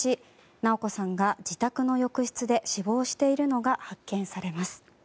直子さんが自宅の浴室で死亡しているのが発見されます。